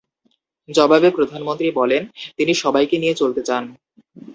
জবাবে প্রধানমন্ত্রী বলেন, তিনি সবাইকে নিয়ে চলতে চান।